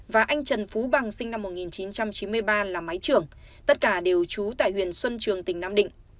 và anh trần phú bằng sinh năm một nghìn chín trăm chín mươi ba là máy trưởng tất cả đều trú tại huyện xuân trường tỉnh nam định